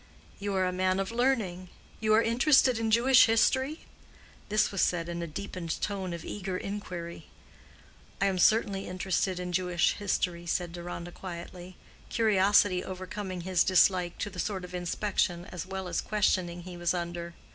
"You are a man of learning—you are interested in Jewish history?" This was said in a deepened tone of eager inquiry. "I am certainly interested in Jewish history," said Deronda, quietly, curiosity overcoming his dislike to the sort of inspection as well as questioning he was under.